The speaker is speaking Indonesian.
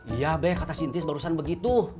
iya be katanya tis barusan begitu